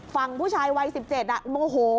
ฝั่งผู้ชายวัย๑๗โมโห